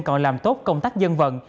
còn làm tốt công tác dân vận